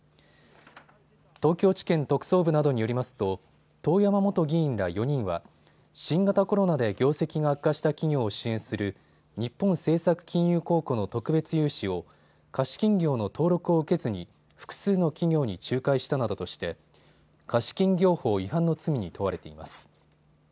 東京地検特捜部などによりますと遠山元議員ら４人は新型コロナで業績が悪化した企業を支援する日本政策金融公庫の特別融資を貸金業の登録を受けずに複数の企業に仲介したなどとして貸金業法違反の罪に問われています。